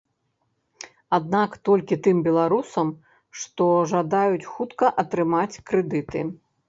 Аднак толькі тым беларусам, што жадаюць хутка атрымаць крэдыты.